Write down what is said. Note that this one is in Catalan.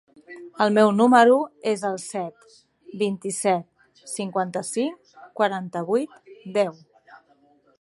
El meu número es el set, vint-i-set, cinquanta-cinc, quaranta-vuit, deu.